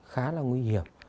khá là nguy hiểm